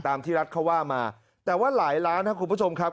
ที่รัฐเขาว่ามาแต่ว่าหลายล้านครับคุณผู้ชมครับ